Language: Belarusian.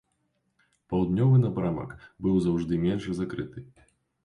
Паўднёвы напрамак быў заўжды менш закрыты.